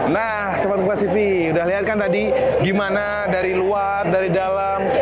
nah sobatkomunikasi tv udah liat kan tadi gimana dari luar dari dalam